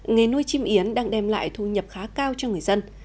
nghề nuôi chim yến đang đem lại thu nhập khá cao cho người dân